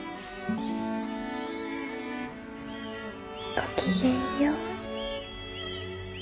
ごきげんよう。